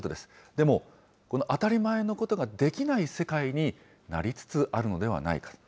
でも、この当たり前のことができない世界になりつつあるのではないか。